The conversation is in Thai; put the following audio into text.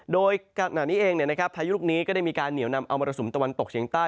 โดยขณะนี้เองพายุลูกนี้ก็ได้มีการเหนียวนำเอามรสุมตะวันตกเฉียงใต้